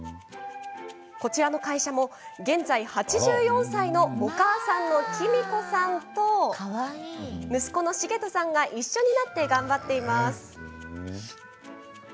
こちらの会社も現在８４歳のお母さんの君子さんと息子の成人さんが一緒になって頑張っています。